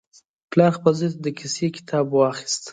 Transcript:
پلار خپل زوی ته د کیسې کتاب واخیست.